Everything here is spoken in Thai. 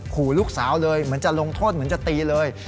ขู่ลูกสาวเลยเหมือนจะลงโทษเหมือนจะตีเลย